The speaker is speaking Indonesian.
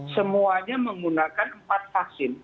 semuanya menggunakan empat vaksin